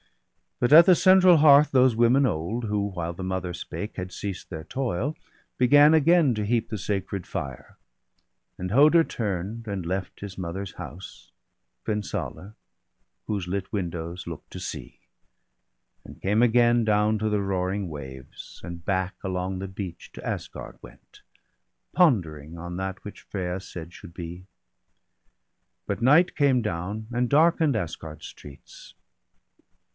But at the central hearth those women old, Who while the Mother spake had ceased their toil, Began again to heap the sacred fire. And Hoder turn'd, and left his mother's house, Fensaler, whose lit windows look to sea; And came again down to the roaring waves, And back along the beach to Asgard went, Pondering on that which Frea said should be. But night came down, and darken'd Asgard streets.